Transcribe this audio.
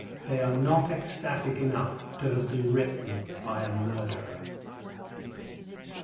They are not ecstatic enough to have been written by a murderer. IV.